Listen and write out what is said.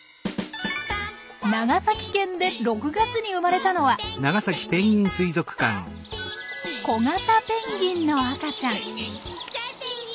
長崎県で６月に生まれたのはコガタペンギンの赤ちゃん。